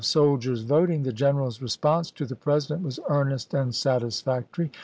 On the subject of soldiers' voting, the general's response to the President was earnest and satisfac tory.